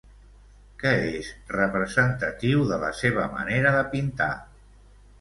Què és representatiu de la seva manera de pintar?